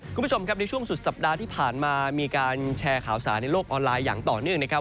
คุณผู้ชมครับในช่วงสุดสัปดาห์ที่ผ่านมามีการแชร์ข่าวสารในโลกออนไลน์อย่างต่อเนื่องนะครับ